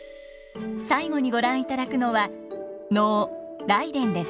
最後にご覧いただくのは能「来殿」です。